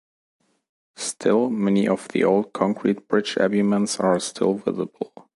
Still, many of the old concrete bridge abuments are still visible.